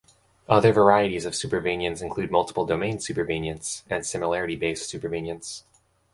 Other varieties of supervenience include multiple-domains supervenience and similarity-based supervenience.